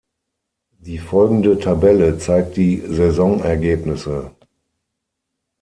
Die folgende Tabelle zeigt die Saisonergebnisse.